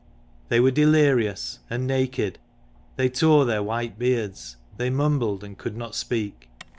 They were delirious, and naked ; they tore their white beards ; they mumbled and could not speak.